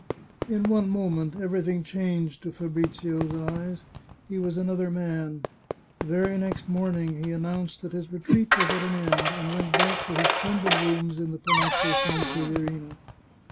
In one moment everything changed to Fabrizio's eyes. He was another man. The very next morning he announced that his retreat was at an end, and went back to his splendid rooms in the Palazzo Sanseverina.